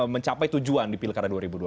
mencapai tujuan di pilkada dua ribu dua puluh